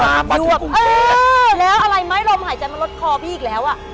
ตามมาที่กรุงเทพฯเออแล้วอะไรไหมลมหายใจมันลดคอพี่อีกแล้วอ่ะ